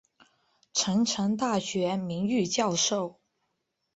成城大学名誉教授。